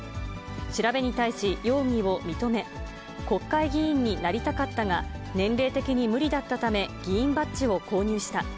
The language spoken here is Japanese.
調べに対し容疑を認め、国会議員になりたかったが、年齢的に無理だったため、議員バッジを購入した。